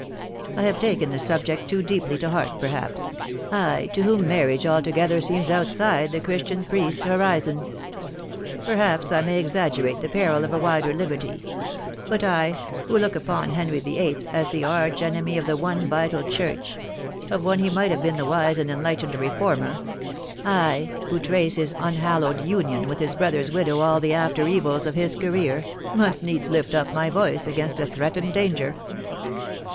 I have taken the subject too deeply to heart perhaps I, to whom marriage altogether seems outside the Christian priest's horizon. Perhaps I may exaggerate the Shall She le Less than Another f 117 peril of a wider liberty ; but I, who look upou Henry VIII. as the arch enemy of the one vital Church of which he might have been the wise and enlightened reformer I, who trace to his unhallowed union with his brother's widow all the after evils of his career must needs lift up my voice against a threatened danger."